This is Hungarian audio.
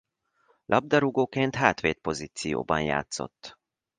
Labdarúgóként hátvéd pozícióban játszott.